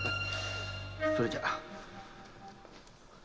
それじゃ。